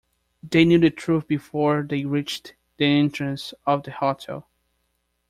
They knew the truth before they reached the entrance of the hotel.